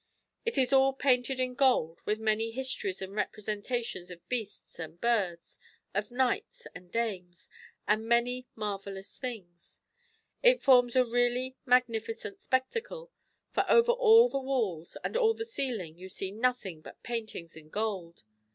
It is all painted 152 MARCO POLO. BOOK II. in gold, with many histories and representations of beasts and birds, of knights and dames, and many marvellous things. It forms a really magnificent spectacle, for over all the walls and all the ceiling you see nothing but paint ings in gold.